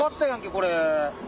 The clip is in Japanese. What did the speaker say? これ。